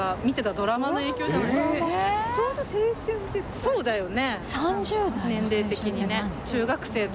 そうだよね。